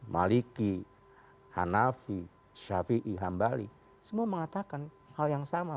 maliki hanafi syafi'i hanbali semua mengatakan hal yang sama